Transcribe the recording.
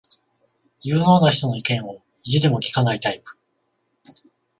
有能な人の意見を意地でも聞かないタイプ